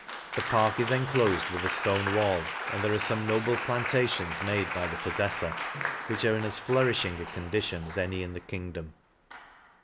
The park is enclofed with a {tone wall ; and there are fome noble plantations made by the pofTeiTor, which are in as flourishing a condition as any in the kingdom.